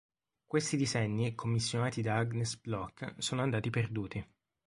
Questi disegni commissionati da Agnes Block sono andati perduti.